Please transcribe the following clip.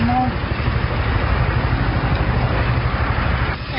โอเค